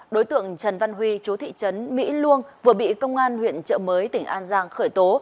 đối tượng trần văn huy chú thị trấn mỹ luông vừa bị công an huyện trợ mới tỉnh an giang khởi tố